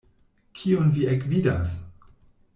Kion vi ekvidas?